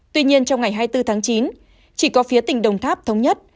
tuy nhiên trong ngày hai mươi bốn tháng chín chỉ có phía tỉnh đồng tháp thống nhất